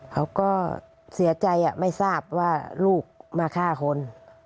เขาก็เสียใจไม่ทราบว่าลูกมาฆ่าคน